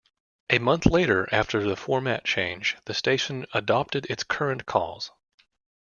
A month later after the format change, the station adopted its current calls.